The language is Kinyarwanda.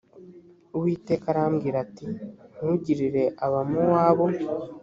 uwiteka arambwira ati ntugirire abamowabu